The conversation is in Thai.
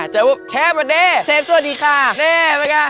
เชฟสวัสดีค่ะ